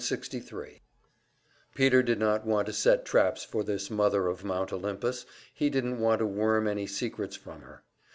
Section 63 Peter did not want to set traps for this mother of Mount Olympus, he didn't want to worm any secrets from her.